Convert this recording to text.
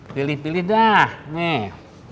pilih pilih dah nih